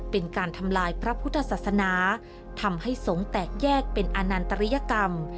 เป็นการทำลายพระพุทธศาสนาทำให้สงฆ์แตกแยกเป็นอนันตริยกรรม